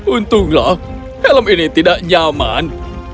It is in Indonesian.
untunglah helm ini tidak nyaman